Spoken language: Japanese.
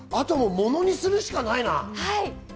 ものにするしかないな。